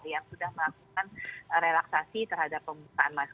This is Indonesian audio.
yang sudah melakukan relaksasi terhadap pembukaan masker